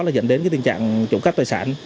là dẫn đến tình trạng trộm cắp tài sản